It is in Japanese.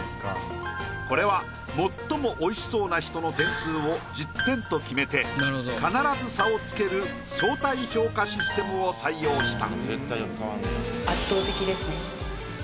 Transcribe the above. これは最も美味しそうな人の点数を１０点と決めて必ず差をつける相対評価システムを採用した。